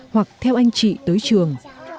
hoặc theo anh chị tới trường